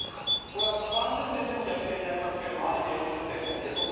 これ３０点でも逆転になりますけれどもあえて４０点を？